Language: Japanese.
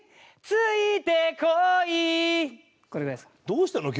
どうしたの？